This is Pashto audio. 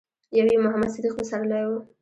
يو يې محمد صديق پسرلی و.